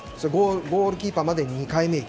ゴールキーパーまで２回目。